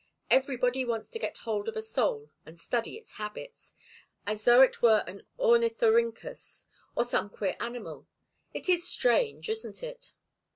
Everybody wants to get hold of a soul and study its habits, as though it were an ornithorynchus or some queer animal it is strange, isn't it?"